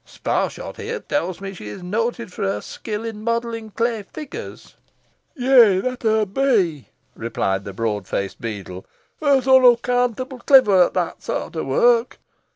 Sparshot here tells me she is noted for her skill in modelling clay figures." "Yeigh, that hoo be," replied the broad faced beadle; "hoo's unaccountable cliver ot that sort o' wark.